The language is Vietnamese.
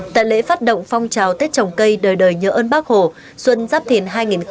tại lễ phát động phong trào tết trồng cây đời đời nhớ ơn bác hồ xuân giáp thìn hai nghìn hai mươi bốn